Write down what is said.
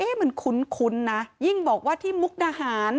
มันคุ้นนะยิ่งบอกว่าที่มุกดาหาร